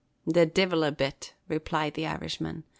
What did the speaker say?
"The divil a bit," replied the Irishman.